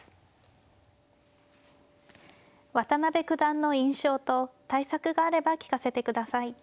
渡辺九段の印象と対策があれば聞かせてください。